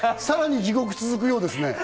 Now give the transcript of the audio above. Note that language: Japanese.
さらに地獄が続くようですね。